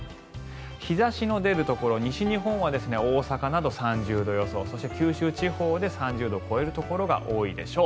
日差しの出るところ、西日本は大阪など３０度予想そして、九州地方で３０度を超えるところが多いでしょう。